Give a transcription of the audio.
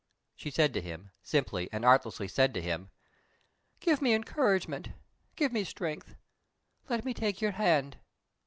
She said to him, simply and artlessly said to him, "Give me encouragement. Give me strength. Let me take your hand."